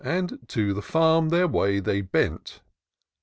And to the fexm their way they bent.